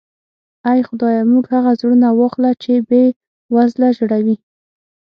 اې خدایه موږ هغه زړونه واخله چې بې وزله ژړوي.